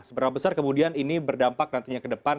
seberapa besar kemudian ini berdampak nantinya ke depan